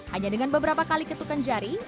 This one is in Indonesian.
hanya dengan beberapa kali ketukan jari